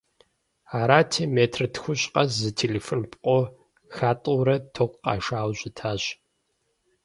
Арати, метр тхущӀ къэс зы телефон пкъо хатӀэурэ ток къашауэ щытащ.